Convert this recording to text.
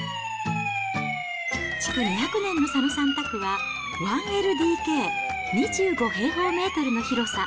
築２００年の佐野さん宅は、１ＬＤＫ、２５平方メートルの広さ。